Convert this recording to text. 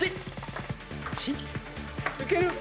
いける！